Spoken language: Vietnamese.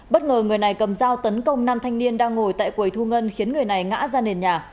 bất ngờ người này cầm dao tấn công năm thanh niên đang ngồi tại quầy thu ngân khiến người này ngã ra nền nhà